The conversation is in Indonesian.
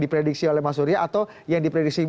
diprediksi oleh mas surya atau yang diprediksi